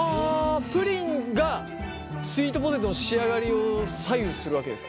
プリンがスイートポテトの仕上がりを左右するわけですか？